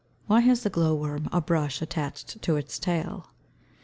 _Why has the glow worm a brush attached to its tail?